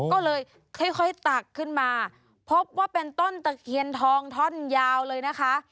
ก็เลยค่อยตักขึ้นมาพบว่าเป็นต้นตะเคียนทองท่อนยาวเลยนะคะ